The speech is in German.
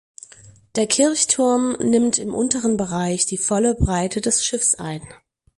Der Kirchturm nimmt im unteren Bereich die volle Breite des Schiffs ein.